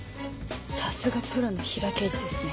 さすがプロのヒラ刑事ですね。